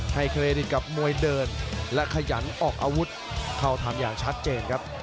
เครดิตกับมวยเดินและขยันออกอาวุธเข้าทำอย่างชัดเจนครับ